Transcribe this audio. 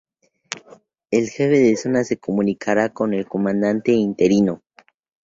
El jefe de Zona se comunicará con el Comandante interino.